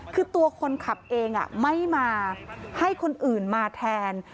คือตัวคนขับเองไม่มาให้คนอื่นมาแทน